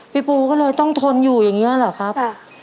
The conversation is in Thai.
ปูก็เลยต้องทนอยู่อย่างนี้เหรอครับ